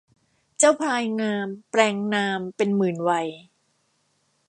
เจ้าพลายงามแปลงนามเป็นหมื่นไวย